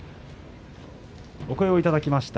お声をいただきました